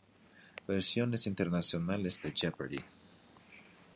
Versiones internacionales de Jeopardy!